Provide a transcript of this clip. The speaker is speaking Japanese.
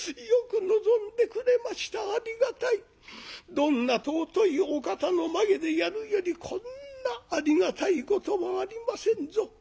どんな貴いお方の前でやるよりこんなありがたいことはありませんぞ。